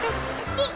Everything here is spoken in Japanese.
ピッ。